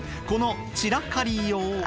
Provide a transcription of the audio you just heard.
この散らかりよう。